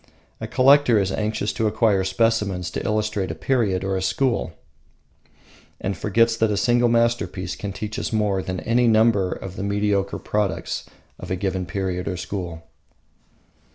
A collector is anxious to acquire specimens to illustrate a period or a school, and forgets that a single masterpiece can teach us more than any number of the mediocre products of a given period or school.